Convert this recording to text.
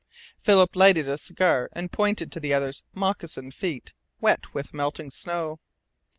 Philip lighted a cigar, and pointed to the other's moccasined feet, wet with melting snow.